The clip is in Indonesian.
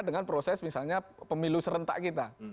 dengan proses misalnya pemilu serentak kita